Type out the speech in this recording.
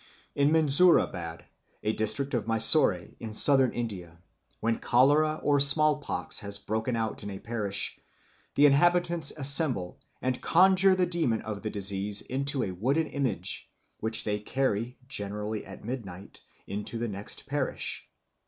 In Munzerabad, a district of Mysore in Southern India, when cholera or smallpox has broken out in a parish, the inhabitants assemble and conjure the demon of the disease into a wooden image, which they carry, generally at midnight, into the next parish.